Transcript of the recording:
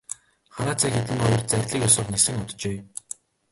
Хараацай хэдгэнэ хоёр зарлиг ёсоор нисэн оджээ.